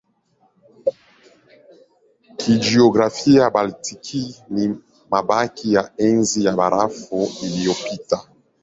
Kijiografia Baltiki ni mabaki ya Enzi ya Barafu iliyopita.